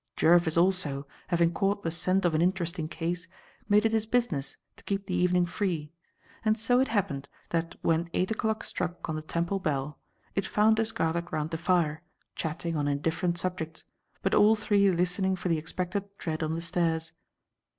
Jervis also, having caught the scent of an interesting case, made it his business to keep the evening free, and so it happened that when eight o'clock struck on the Temple bell, it found us gathered round the fire, chatting on indifferent subjects, but all three listening for the expected tread on the stairs.